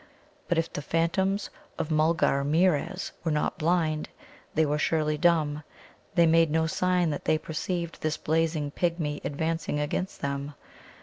But if the phantoms of Mulgarmeerez were not blind, they were surely dumb. They made no sign that they perceived this blazing pigmy advancing against them.